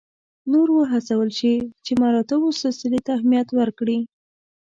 نور وهڅول شي چې مراتبو سلسلې ته اهمیت ورکړي.